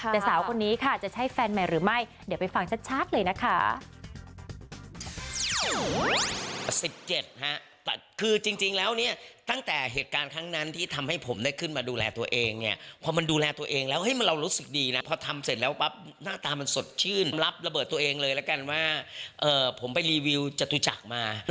แต่สาวคนนี้ค่ะจะใช่แฟนใหม่หรือไม่เดี๋ยวไปฟังชัดเลยนะคะ